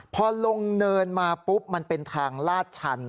พอลงเนินมาปุ๊บมันเป็นทางลาดชัน